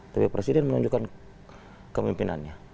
tapi presiden menunjukkan kemimpinannya